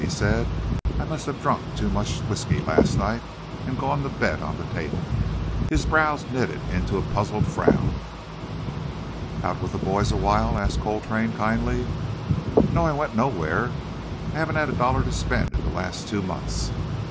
he said. "I must have drunk too much whiskey last night, and gone to bed on the table." His brows knitted into a puzzled frown. "Out with the boys awhile?" asked Coltrane kindly. "No, I went nowhere. I haven't had a dollar to spend in the last two months.